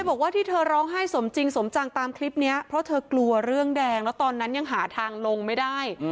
บอกว่าที่เธอร้องไห้สมจริงสมจังตามคลิปนี้เพราะเธอกลัวเรื่องแดงแล้วตอนนั้นยังหาทางลงไม่ได้